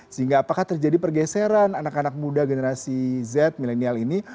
sehingga apakah terjadi pergeseran anak anak muda generasi z milenial ini